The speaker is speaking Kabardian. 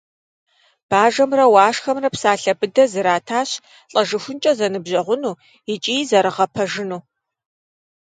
Бажэмрэ Уашхэмрэ псалъэ быдэ зэратащ лӀэжыхункӀэ зэныбжьэгъуну икӀи зэрыгъэпэжыну.